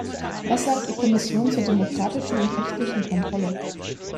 Was sagt die Kommission zur demokratischen und rechtlichen Kontrolle?